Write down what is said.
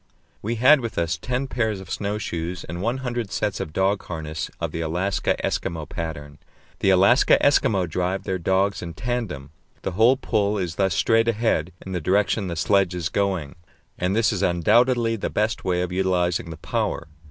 We had with us ten pairs of snow shoes and one hundred sets of dog harness of the Alaska Eskimo pattern. The Alaska Eskimo drive their dogs in tandem; the whole pull is thus straight ahead in the direction the sledge is going, and this is undoubtedly the best way of utilizing the power.